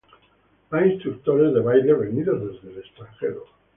Hay instructores de baile venidos desde el extranjero.